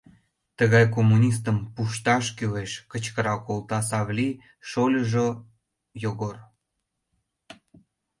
— Тыгай коммунистым пушташ кӱлеш! — кычкырал колта Савлий шольыжо Йогор.